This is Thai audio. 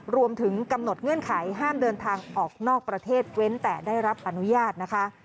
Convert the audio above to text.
รวมถึงกำหนดเงื่อนไขห้ามเดินทางออกนอกประเทศเว้นแต่ได้รับอนุญาตนะคะ